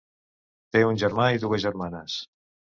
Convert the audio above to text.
Té un germà i dues germanes.